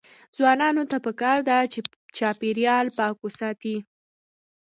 ځوانانو ته پکار ده چې، چاپیریال وساتي.